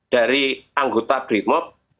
dari anggota brimop